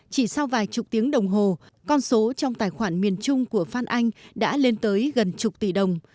chỉ sau vài chục tiếng đồng hồ con số trong tài khoản miền trung của phan anh đã lên tới gần chục tỷ đồng